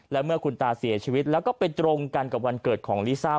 และเมื่อคุณตาเสียชีวิตแล้วก็ไปตรงกันกับวันเกิดของลิซ่า